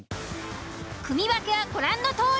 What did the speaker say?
組分けはご覧のとおり。